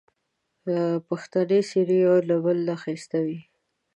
پښتني څېرې یو بل نه ښایسته وې